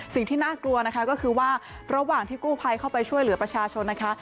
สิ่งที่น่ากลัวนะคะก็คือว่าระหว่างที่กู้ภัยเข้าไปช่วยเหลือประชาชนนะคะ